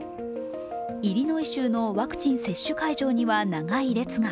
イリノイ州のワクチン接種会場には長い列が。